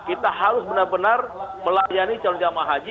kita harus benar benar melayani calon jemaah haji